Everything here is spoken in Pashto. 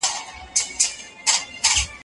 صنعت او زراعت لږ عایدات درلودل.